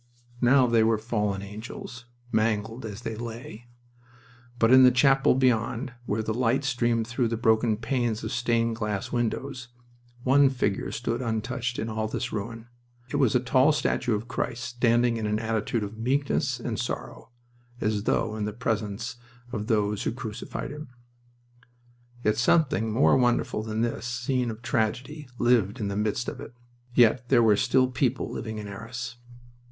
Now they were fallen angels, mangled as they lay. But in the chapel beyond, where the light streamed through the broken panes of stained glass windows, one figure stood untouched in all this ruin. It was a tall statue of Christ standing in an attitude of meekness and sorrow, as though in the presence of those who crucified Him. Yet something more wonderful than this scene of tragedy lived in the midst of it. Yet there were still people living in Arras.